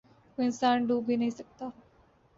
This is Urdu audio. کوئی انسان ڈوب بھی نہیں سکتا